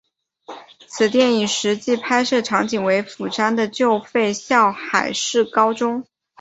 此电影实际拍摄场景为釜山的旧废校海事高中。